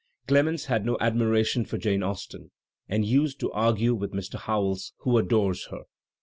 Clemens had no admiration for Jane Austen and used to argue with Mr. Howells, who adores her.